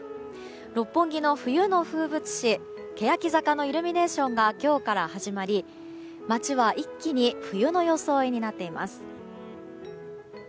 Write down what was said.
六本木の冬の風物詩けやき坂のイルミネーションが今日から始まり、街は一気に冬の装いになっています。